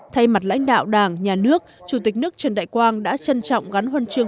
thay mặt lãnh đạo đảng nhà nước chủ tịch nước trần đại quang đã trân trọng gắn huân chương